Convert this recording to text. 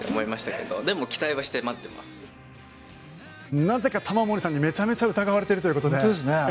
なぜか玉森さんにめちゃくちゃ疑われているということで。